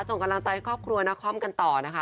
ส่งกำลังใจครอบครัวนาคอมกันต่อนะคะ